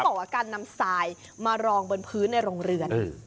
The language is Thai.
บอกว่าการนำทรายมารองบนพื้นในโรงเรือน